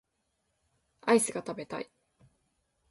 アイスが食べたい